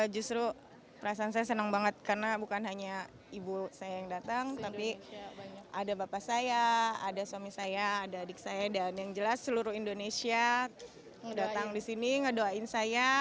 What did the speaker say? justru perasaan saya senang banget karena bukan hanya ibu saya yang datang tapi ada bapak saya ada suami saya ada adik saya dan yang jelas seluruh indonesia datang di sini ngedoain saya